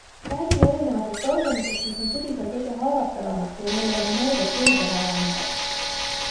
Räägime erinevatest organitest, mis on sügisel kõige haavatavamad, kui neile on energiat juurde vaja anda.